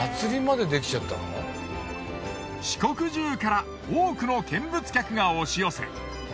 四国中から多くの見物客が押し寄せ